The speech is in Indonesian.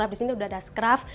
disini udah ada skraf